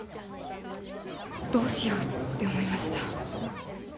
どうしようって思いました。